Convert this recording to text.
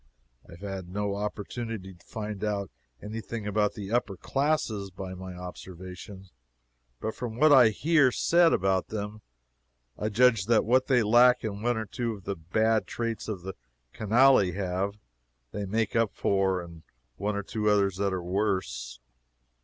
I have had no opportunity to find out any thing about the upper classes by my own observation, but from what I hear said about them I judge that what they lack in one or two of the bad traits the canaille have, they make up in one or two others that are worse.